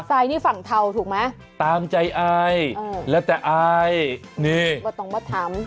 ใต้นี่ฝั่งเทาถูกไหมตามใจอายแล้วแต่อายนี่ไม่ต้องมาถาม